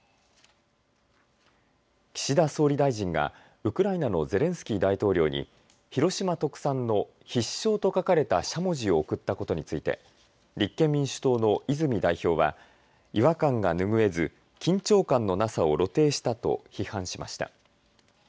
岸田総理大臣がウクライナのゼレンスキー大統領に広島特産の必勝と書かれたしゃもじを贈ったことについて立憲民主党の泉代表は違和感が拭えず緊張感のなさを露呈したと批判しました。